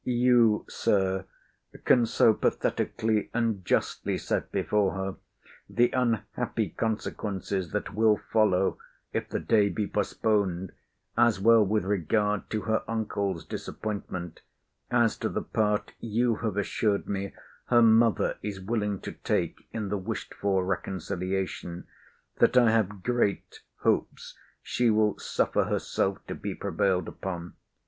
You, Sir, can so pathetically and justly set before her the unhappy consequences that will follow if the day be postponed, as well with regard to her uncle's disappointment, as to the part you have assured me her mother is willing to take in the wished for reconciliation, that I have great hopes she will suffer herself to be prevailed upon.